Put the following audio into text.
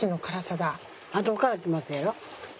あとからきますやろ。